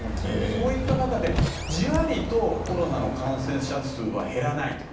そういった中、じわりとコロナの感染者数は減らないと。